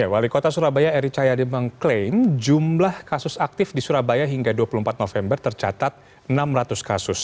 wali kota surabaya eri cahyade mengklaim jumlah kasus aktif di surabaya hingga dua puluh empat november tercatat enam ratus kasus